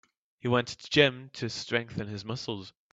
He went to gym to strengthen his muscles.